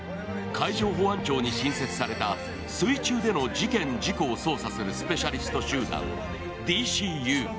海上保安庁に新設された水中での事件・事故を捜査するスペシャリスト集団、ＤＣＵ。